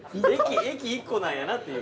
駅、一個なんやなっていう。